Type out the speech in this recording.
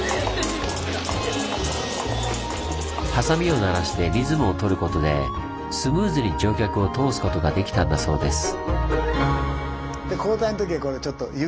鋏を鳴らしてリズムをとることでスムーズに乗客を通すことができたんだそうです。